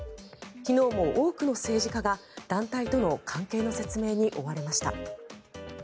昨日も多くの政治家が団体との関係の説明に追われました。